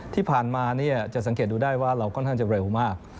ที่ผ่านมาจะสังเกตดูได้ว่าเราค่อนข้างจะเร็วมาก